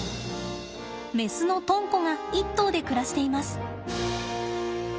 メスのとんこが１頭で暮らしています。